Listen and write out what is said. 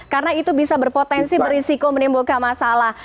karena itu bisa berpotensi berisiko menimbulkan masalah